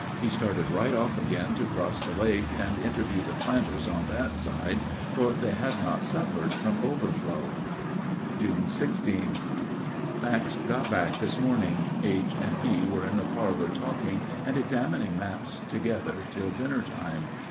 He started right off again to cross the lake and interview the planters on that side, for they had not suffered from overflow. June 16. Max got back this morning. H. and he were in the parlor talking and examining maps together till dinner time.